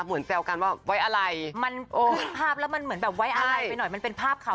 เหมือนแซวกันว่าไว้อะไรมันขึ้นภาพแล้วมันเหมือนแบบไว้อะไรไปหน่อย